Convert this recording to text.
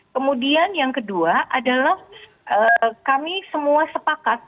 kemudian yang kedua adalah kami semua sepakat